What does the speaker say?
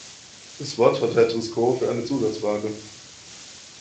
Das Wort hat Herr Truscott für eine Zusatzfrage.